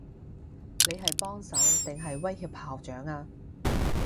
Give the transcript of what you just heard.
你係幫手，定係威脅校長啊？